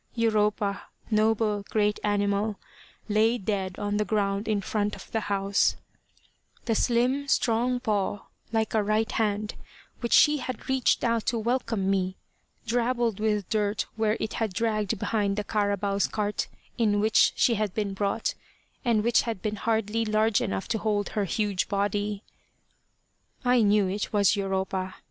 Europa, noble great animal, lay dead on the ground in front of the house, the slim, strong paw, like a right hand, which she had reached out to welcome me, drabbled with dirt where it had dragged behind the "carabaos" cart in which she had been brought, and which had been hardly large enough to hold her huge body. I knew it was Europa.